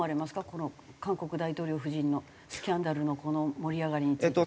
この韓国大統領夫人のスキャンダルのこの盛り上がりについて。